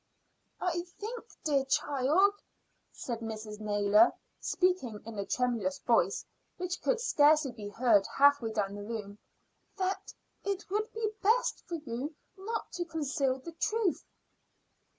"I think, dear child," said Mrs. Naylor, speaking in a tremulous voice, which could scarcely be heard half way down the room, "that it would be best for you not to conceal the truth."